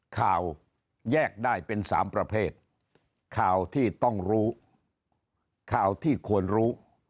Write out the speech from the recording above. ข่าวแยกได้เป็นสามประเภทข่าวที่ต้องรู้ข่าวที่ควรรู้